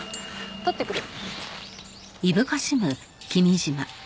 取ってくる。